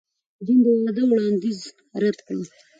جین د واده وړاندیز رد کړ.